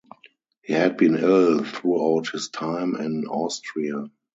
He had been ill throughout his time in Austria.